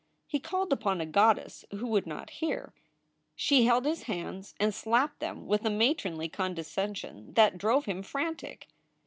He called upon a goddess who would not hear. She held his hands and slapped them with a matronly condescension that drove him frantic.